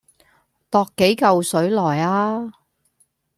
踱幾舊水來呀